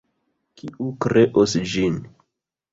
Kiu kreos ĝin?